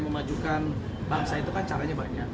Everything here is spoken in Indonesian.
memajukan bangsa itu kan caranya banyak